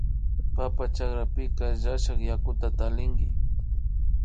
Papa chakrapika llashak yakuta tallinki